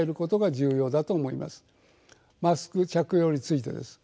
マスク着用についてです。